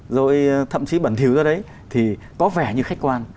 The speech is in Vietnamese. rồi thậm chí bẩn thiếu ra đấy thì có vẻ như khách quan